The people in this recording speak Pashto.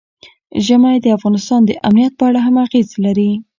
ژمی د افغانستان د امنیت په اړه هم اغېز لري.